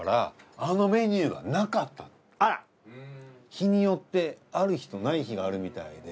日によってある日とない日があるみたいで。